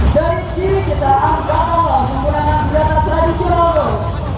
dari kiri kita angkat tangan menggunakan senjata tradisional